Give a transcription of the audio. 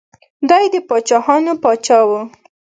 دی د پاچاهانو پاچا و.